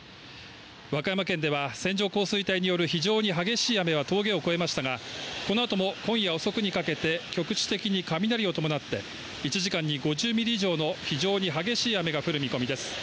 和歌山県では線状降水帯による非常に激しい雨は峠を越えましたがこのあとも今夜遅くにかけて局地的に雷を伴って１時間に５０ミリ以上の非常に激しい雨が降る見込みです。